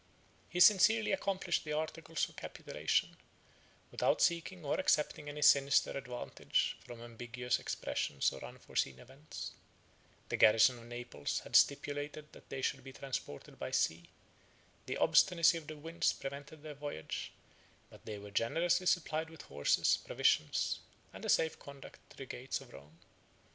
He sincerely accomplished the articles of capitulation, without seeking or accepting any sinister advantage from ambiguous expressions or unforeseen events: the garrison of Naples had stipulated that they should be transported by sea; the obstinacy of the winds prevented their voyage, but they were generously supplied with horses, provisions, and a safe conduct to the gates of Rome.